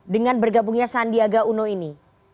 dengan bergabungnya sandiaga uno ini